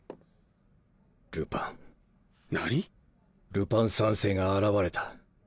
ルパン三世が現れた。